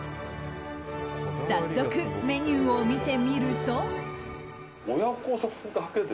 早速、メニューを見てみると。